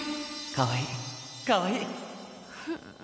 かわいいかわいい。